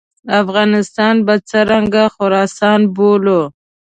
افغانستان به څرنګه خراسان بولو.